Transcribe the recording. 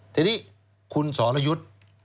ทีนี้คุณสรยุทธ์